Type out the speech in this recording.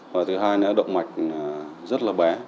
và thứ hai là động mạch rất là bé